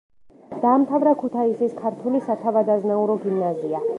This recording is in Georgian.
დაამთავრა ქუთაისის ქართული სათავადაზნაურო გიმნაზია.